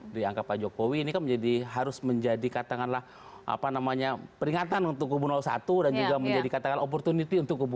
di angka pak jokowi ini kan harus menjadi katakanlah apa namanya peringatan untuk kubu satu dan juga menjadi katakanlah opportunity untuk kubu